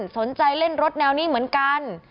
สนใจเล่นรถแนวนี้เหมือนกัน